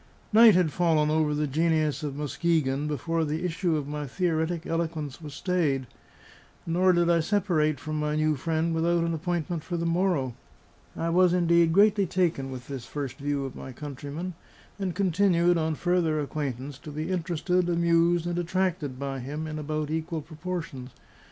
Night had fallen over the Genius of Muskegon before the issue of my theoretic eloquence was stayed, nor did I separate from my new friend without an appointment for the morrow. I was indeed greatly taken with this first view of my countryman, and continued, on further acquaintance, to be interested, amused, and attracted by him in about equal proportions.